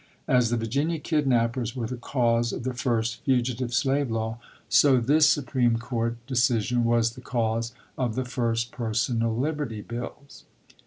As the Virginia kidnapers were the cause of the first fugitive slave law, so PERSONAL LIBERTY BILLS 25 this Supreme Court decision was the cause of the chap. ii. first personal liberty bills.